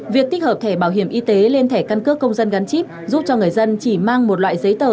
việc tích hợp thẻ bảo hiểm y tế lên thẻ căn cước công dân gắn chip giúp cho người dân chỉ mang một loại giấy tờ